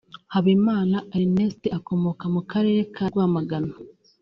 Habimana Erneste akomoka mu karere ka Rwamagana